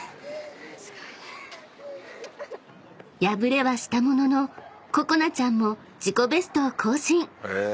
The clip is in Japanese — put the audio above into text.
［敗れはしたもののここなちゃんも自己ベストを更新］